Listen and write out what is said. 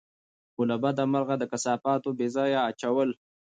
خو له بده مرغه، د کثافاتو بېځايه اچول